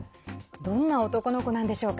どんな男の子なんでしょうか。